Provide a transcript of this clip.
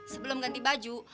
sebelum ganti baju